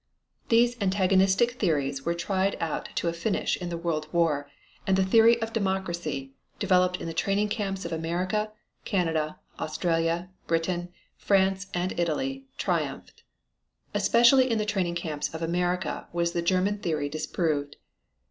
These antagonistic theories were tried out to a finish in the World War and the theory of democracy, developed in the training camps of America, Canada, Australia, Britain, France and Italy, triumphed. Especially in the training camps of America was the German theory disproved.